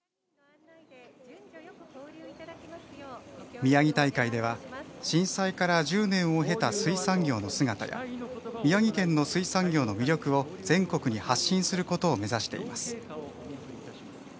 みやぎ大会では、震災から１０年を経た水産業の姿や宮城県の水産業の魅力を、全国に発信することを目指しています。